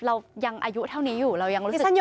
เรายังอายุเท่านี้อยู่เรายังรู้สึกเยอะ